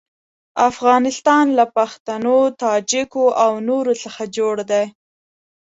افغانستان له پښتنو، تاجکو او نورو څخه جوړ دی.